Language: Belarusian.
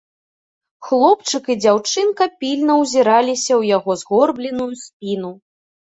Хлопчык і дзяўчынка пільна ўзіраліся ў яго згорбленую спіну.